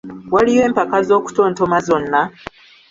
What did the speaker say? Waliyo empaka z'okutontoma zonna?